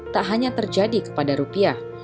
tak hanya terjadi kepada rupiah